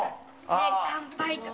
「で乾杯とか。